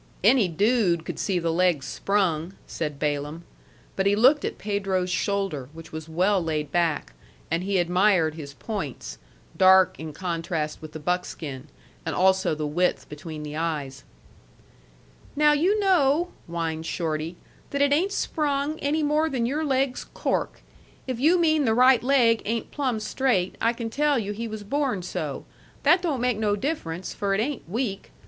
"Any dude could see the leg's sprung," said Balaam. But he looked at Pedro's shoulder, which was well laid back; and he admired his points, dark in contrast with the buckskin, and also the width between the eyes. "Now you know," whined Shorty, "that it ain't sprung any more than your leg's cork. If you mean the right leg ain't plumb straight, I can tell you he was born so. That don't make no difference, for it ain't weak.